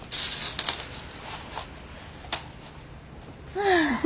ああ。